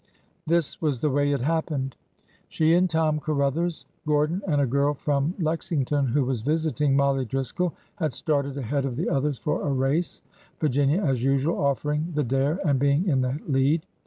This was the way it happened : She and Tom Caruthers, Gordon, and a girl from Lex ington who was visiting Mollie Driscoll, had started ahead of the others for a race, Virginia, as usual, offering the dare and being in the lead.